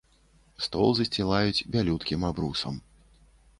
Стол засцілаюць бялюткім абрусам.